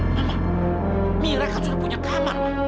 mama mira kan sudah punya kamar